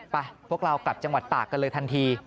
พวกเรากลับจังหวัดตากกันเลยทันที